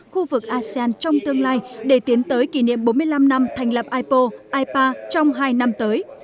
khu vực asean trong tương lai để tiến tới kỷ niệm bốn mươi năm năm thành lập ipo ipa trong hai năm tới